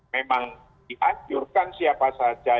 memang dianjurkan siapa saja